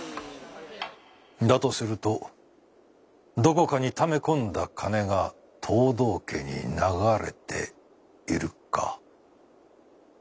だとするとどこかにため込んだ金が藤堂家に流れているか。